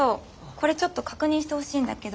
これちょっと確認してほしいんだけど。